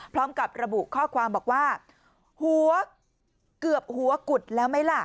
พร้อมกับระบุข้อความบอกว่าหัวเกือบหัวกุดแล้วไหมล่ะ